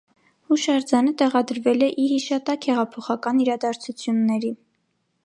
Հուշարձանը տեղադրվել է ի հիշատակ հեղափոխական իրադարձությունների։